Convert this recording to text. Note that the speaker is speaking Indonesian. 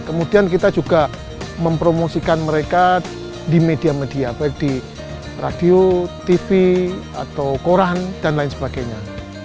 kemudian kita juga mempromosikan mereka di media media baik di radio tv atau koran dan lain sebagainya